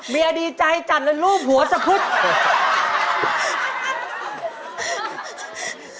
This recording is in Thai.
เมียดีใจจันแล้วลูกผัวจะพุทธ